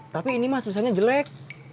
tapi ini mas tulisannya jelek